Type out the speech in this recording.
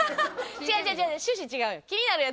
違う違う違う趣旨違うやん。